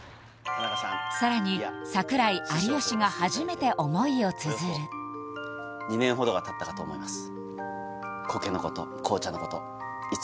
さらに櫻井有吉が初めて思いをつづる２年ほどがたったかと思います